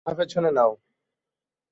মাথা পেছনে নাও।